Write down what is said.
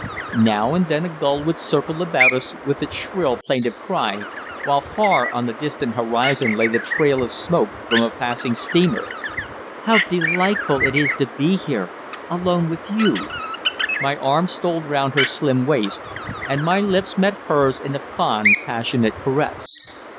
Now and then a gull would circle about us with its shrill, plaintive cry, while far on the distant horizon lay the trail of smoke from a passing steamer. "How delightful it is to be here alone with you!" My arm stole round her slim waist, and my lips met hers in a fond, passionate caress.